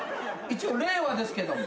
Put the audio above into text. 一応令和ですけども。